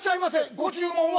ご注文は？」。